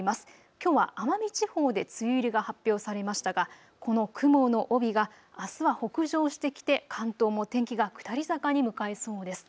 きょうは奄美地方で梅雨入りが発表されましたがこの雲の帯があすは北上してきて関東も天気が下り坂に向かいそうです。